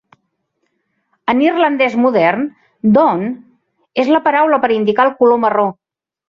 En irlandès modern, "donn" és la paraula per indicar el color marró.